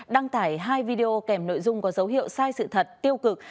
đăng tải hai video kèm nội dung có dấu hiệu sai sự thật tiêu cực